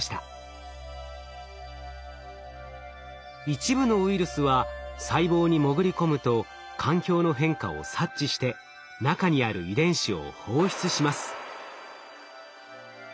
一部のウイルスは細胞に潜り込むと環境の変化を察知して中にある遺伝子を放出します。